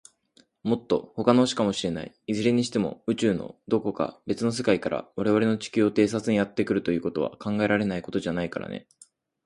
もっと、ほかの星かもしれない。いずれにしても、宇宙の、どこか、べつの世界から、われわれの地球を偵察にやってくるということは、考えられないことじゃないからね。